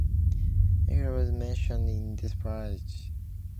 Michael was mentioned in despatches.